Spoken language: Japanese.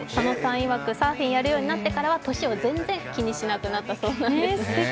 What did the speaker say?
いわくサーファーをやるようになってから年は全然気にしなくなったということです。